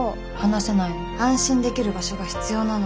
安心できる場所が必要なの。